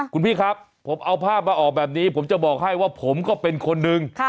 คุณพี่ครับผมเอาภาพมาออกแบบนี้ผมจะบอกให้ว่าผมก็เป็นคนนึง